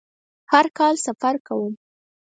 هر کال سفر کوم